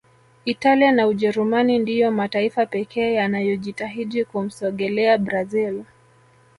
italia na Ujerumani ndiyo mataifa pekee yanayojitahidi kumsogelea brazil